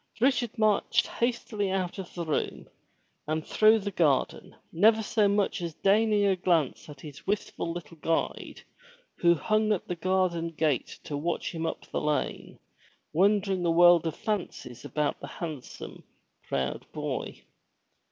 Richard marched hastily out of the room and through the garden, never so much as deigning a glance at his wistful little guide, who hung at the garden gate to watch him up the lane, wondering a world of fancies about the handsome, proud boy.